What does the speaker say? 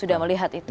sudah melihat itu